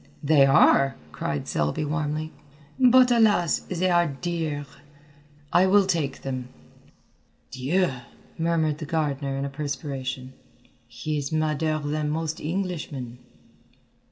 "They are!" cried Selby warmly. "But alas, they are dear." "I will take them." "Dieu!" murmured the gardener in a perspiration, "he's madder than most Englishmen."